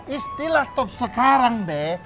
istilah top sekarang be